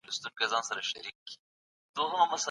که مهارتونه زيات سي، د کارګرانو د کار مؤلديت به لوړ سي.